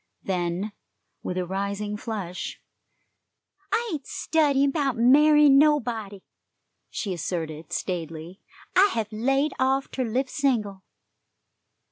Then, with a rising flush: "I ain't studyin' 'bout marryin' nobody," she asserted staidly. "I hev laid off ter live single."